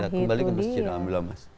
kembali ke masjid alhamdulillah mas